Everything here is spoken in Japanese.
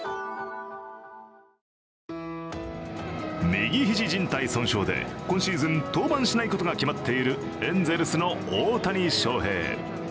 右肘じん帯損傷で今シーズン登板しないことが決まっているエンゼルスの大谷翔平。